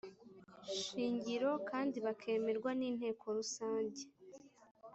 nshingiro kandi bakemerwa n Inteko Rusange